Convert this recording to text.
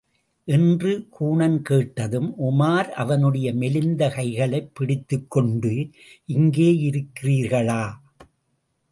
என்று கூனன் கேட்டதும், உமார் அவனுடைய மெலிந்த கைகளைப் பிடித்துக் கொண்டு, இங்கே யிருக்கிறாளா?